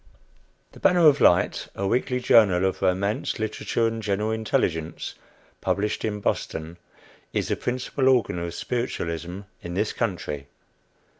"The Banner of Light," a weekly journal of romance, literature, and general intelligence, published in Boston, is the principal organ of spiritualism in this country.